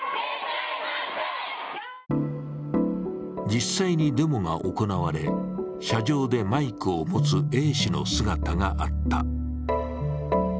実際にデモが行われ、車上でマイクを持つＡ氏の姿があった。